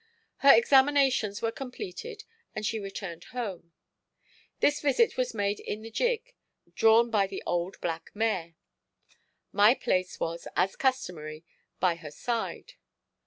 Her examinations were completed and she returned home. This visit was made in the gig drawn by the old black mare. My place was, as customary, by her side.